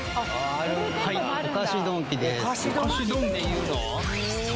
はいお菓子ドンキです